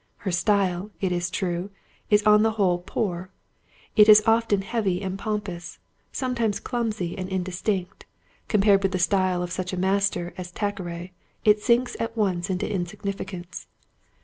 Her style, it is true, is on the whole poor; it is often heavy and pompous, sometimes clumsy and indistinct; compared with the style of such a master as Thackeray it sinks at once into insignificance.